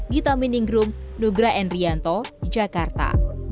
gita meningrum nugra enrianto jakarta